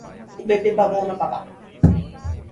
O bebê babou na babá